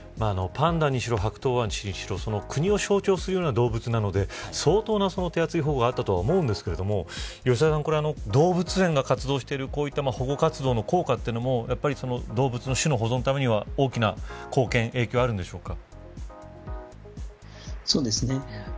パンダにしろ、ハクトウワシにしろ国を象徴するような動物なので相当な手厚い保護があったと思うんですが動物園が活動している保護活動の効果も動物の種の保存のためには大きな貢献や影響があるんでしょうか。